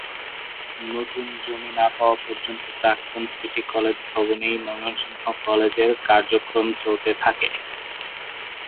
নতুন জমি না পাওয়া পর্যন্ত প্রাক্তন সিটি কলেজ ভবনেই ময়মনসিংহ কলেজের কার্যক্রম চলতে থাকে।